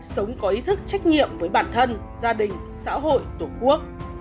sống có ý thức trách nhiệm với bản thân gia đình xã hội tổ quốc